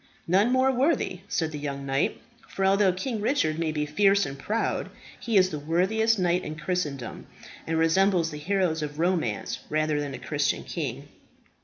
"None more worthy," said the young knight, "for although King Richard may be fierce and proud, he is the worthiest knight in Christendom, and resembles the heroes of romance rather than a Christian king."